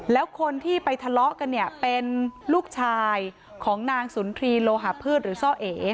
แล้วคนที่ไปทะเลาะกันเนี่ยเป็นลูกชายของนางสุนทรีโลหะพืชหรือซ่อเอ